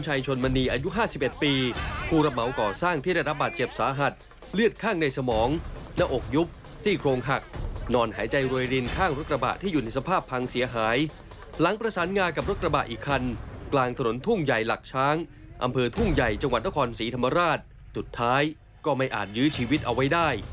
ใจจังหวัดตะคอนศรีธรรมราชจุดท้ายก็ไม่อาจยื้อชีวิตเอาไว้ได้